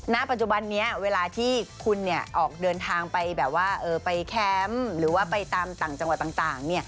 ณปัจจุบันนี้เวลาที่คุณออกเดินทางไปแบบว่าไปแคมป์หรือว่าไปตามต่างจังหวัดต่าง